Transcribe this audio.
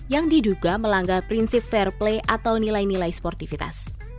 yang diduga melanggar prinsip fair play atau nilai nilai sportivitas